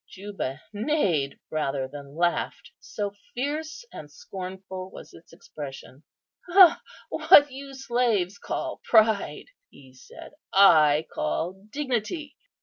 Juba neighed rather than laughed, so fierce and scornful was its expression. "What you slaves call pride," he said, "I call dignity."